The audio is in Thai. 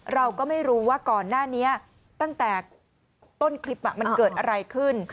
เราก็ไม่รู้ว่าก่อนหน้านี้ตั้งแต่ต้นคลิปมันเกิดอะไรขึ้น